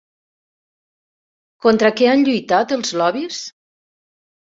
Contra què han lluitat els lobbys?